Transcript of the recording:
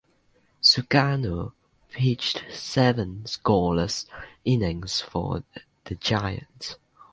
Sugano pitched seven scoreless innings for the Giants.